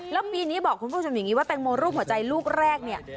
แล้วปีนี้บอกคุณผู้ชมอย่างนี้ว่าแตงโมรูปหัวใจลูกแรกเนี่ย